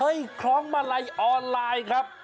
ต้องใช้ค้องมาลัยออนไลน์ครับ